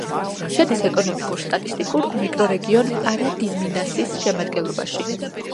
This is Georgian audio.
შედის ეკონომიკურ-სტატისტიკურ მიკრორეგიონ პარა-დი-მინასის შემადგენლობაში.